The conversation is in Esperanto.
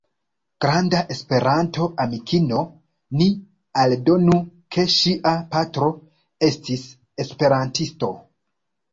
Granda Esperanto-amikino, ni aldonu ke ŝia patro estis esperantisto.